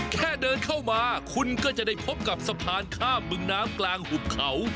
แค่เดินเข้ามาคุณก็จะได้พบกับสะพานข้ามบึงน้ำกลางหุบเขา